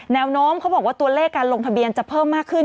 แนวโน้มเขาบอกว่าตัวเลขการลงทะเบียนจะเพิ่มมากขึ้น